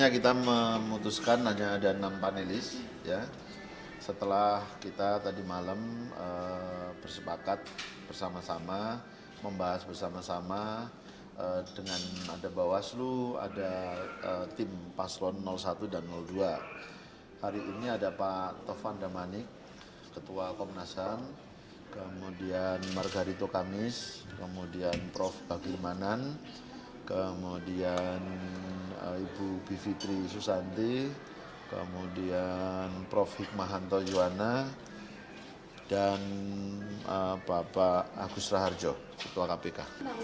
ketua komnasan kemudian margarito kamis kemudian prof bagir manan kemudian ibu bivitri susanti kemudian prof hikmahanto yuwana dan bapak agus raharjo ketua kpk